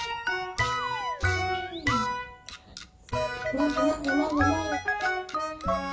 もぐもぐもぐもぐ。